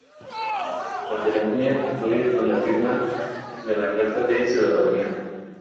La ceremonia concluye con la firma de la carta de ciudadanía.